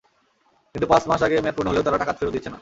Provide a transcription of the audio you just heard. কিন্তু পাঁচ মাস আগে মেয়াদ পূর্ণ হলেও তাঁরা টাকা ফেরত দিচ্ছেন না।